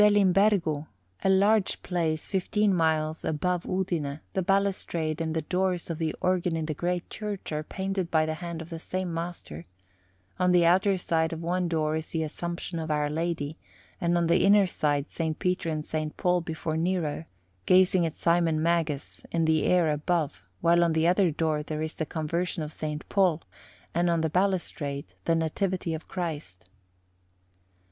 Maria di Campagna_) Alinari] At Spelimbergo, a large place fifteen miles above Udine, the balustrade and the doors of the organ in the great church are painted by the hand of the same master; on the outer side of one door is the Assumption of Our Lady, and on the inner side S. Peter and S. Paul before Nero, gazing at Simon Magus in the air above; while on the other door there is the Conversion of S. Paul, and on the balustrade the Nativity of Christ.